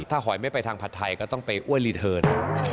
ถ้าหอยไม่ไปทางผัดไทยก็ต้องไปอ้วนรีเทิร์น